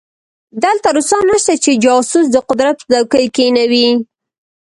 دلته روسان نشته چې جاسوس د قدرت پر څوکۍ کېنوي.